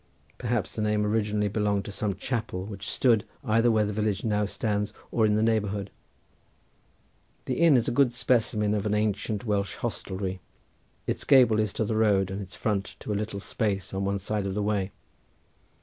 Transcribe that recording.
Perhaps the name originally belonged to some chapel which stood either where the village now stands or in the neighbourhood. The inn is a good specimen of an ancient Welsh hostelry. Its gable is to the road and its front to a little space on one side of the way.